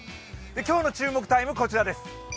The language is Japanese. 今日の注目タイムはこちらです。